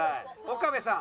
岡部さん。